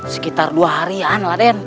sekitar dua harian raden